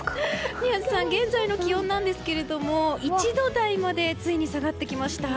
宮司さん、現在の気温なんですが１度台までついに下がってきました。